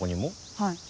はい。